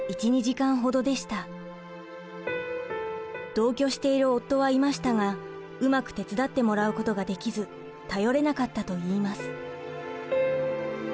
同居している夫はいましたがうまく手伝ってもらうことができず頼れなかったといいます。